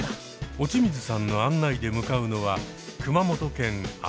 落水さんの案内で向かうのは熊本県天草。